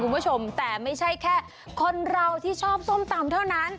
คุณผู้ชมแต่ไม่ใช่แค่คนเราที่ชอบส้มตำเท่านั้น